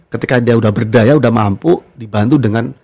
ketika dia udah berdaya sudah mampu dibantu dengan